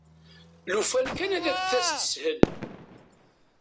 Lufan kan ad d-tas teshel!